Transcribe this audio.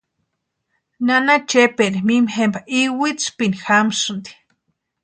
Nana Chepaeri mimi jempa iwitsïpini jamasïnti.